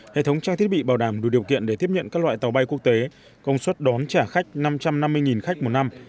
hệ thống trang thiết bị bảo đảm đủ điều kiện để tiếp nhận các loại tàu bay quốc tế công suất đón trả khách năm trăm năm mươi khách một năm